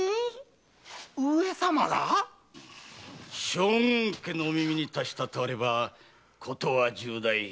将軍家のお耳に達したとあればことは重大。